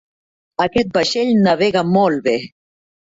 Aquest vaixell navega molt bé.